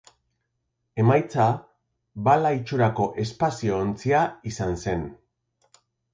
Emaitza bala itxurako espazio-ontzia izan zen.